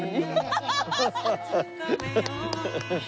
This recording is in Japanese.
アハハハハ！